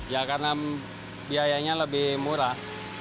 ya karena biayanya lebih murah